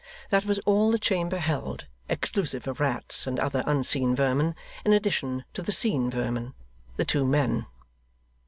That was all the chamber held, exclusive of rats and other unseen vermin, in addition to the seen vermin, the two men.